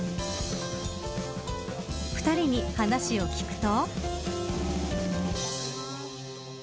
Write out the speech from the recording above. ２人に話を聞くと。